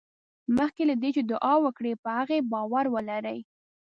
مخکې له دې چې دعا وکړې په هغې باور ولرئ.